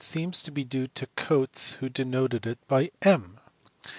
seems to be due to Cotes who denoted it by M.